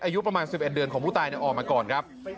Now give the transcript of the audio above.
อายุประมาณ๑๑เดือนของผู้ตายออกมาก่อนครับ